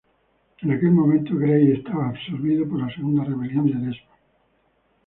En aquel momento, Grey estaba absorbido por la Segunda Rebelión de Desmond.